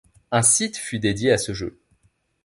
Un site fut dédié à ce jeu.